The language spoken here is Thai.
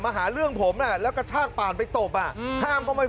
มาหาเรื่องผมน่ะแล้วก็ชากปาร์นไปตบอ่ะห้ามเขาไม่